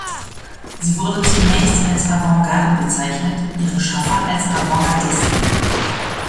Sie wurde zunächst als Avantgarde bezeichnet, ihre Schaffer als Avantgardisten.